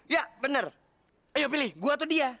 ya bener ayo pilih gua atau dia